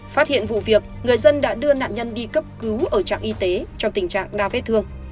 phát hiện vụ việc người dân đã đưa nạn nhân đi cấp cứu ở trạm y tế trong tình trạng đa vết thương